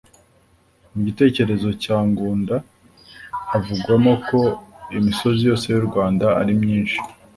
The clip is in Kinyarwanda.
Mu gitekerezo cya Ngunda havugwamo ko imsozi yose y'u Rwanda ari myinshi